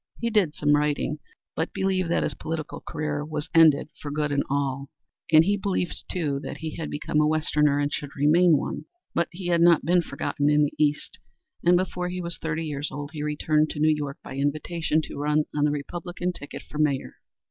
He did some writing, but believed that his political career was ended for good and all, and he believed too that he had become a Westerner and should remain one. But he had not been forgotten in the East, and before he was thirty years old he returned to New York by invitation to run on the Republican ticket for Mayor.